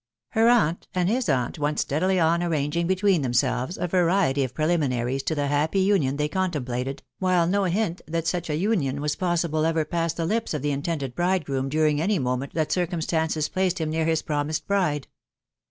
• Her aunt and his aunt went steadily on arranging between themselves a variety of preliminaries to the happy union they contemplated, while no hint that such an union was potable ever passed the lips of the intended bridegroom during any moment that circumstances placed him near hia prouused bride.